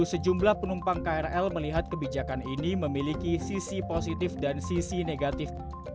sejumlah penumpang krl melihat kebijakan ini memiliki sisi positif dan sisi negatif